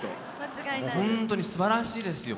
本当にすばらしいですよ。